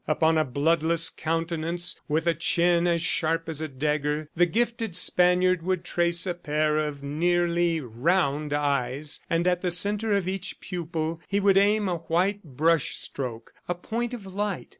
Upon a bloodless countenance, with a chin as sharp as a dagger, the gifted Spaniard would trace a pair of nearly round eyes, and at the centre of each pupil he would aim a white brush stroke, a point of light